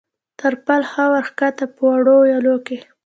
تر پل ښه ور کښته، په وړو ویالو کې.